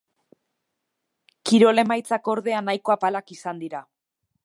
Kirol emaitzak ordea nahiko apalak izan dira.